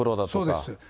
そうですよ。